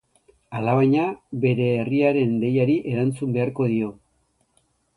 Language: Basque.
Alabaina, bere herriaren deiari erantzun beharko dio.